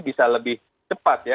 bisa lebih cepat ya